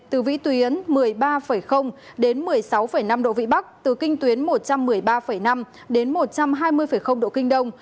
từ vĩ tuyến một mươi ba đến một mươi sáu năm độ vĩ bắc từ kinh tuyến một trăm một mươi ba năm đến một trăm hai mươi độ kinh đông